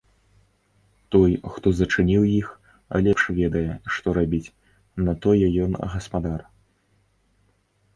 Той, хто зачыніў іх, лепш ведае, што рабіць, на тое ён гаспадар.